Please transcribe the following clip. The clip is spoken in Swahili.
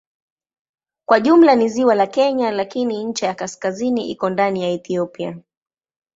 Kwa jumla ni ziwa la Kenya lakini ncha ya kaskazini iko ndani ya Ethiopia.